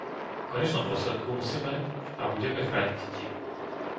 V konečnom dôsledku musíme a budeme chrániť deti.